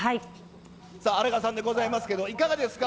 荒川さんでございますけれども、いかがですか？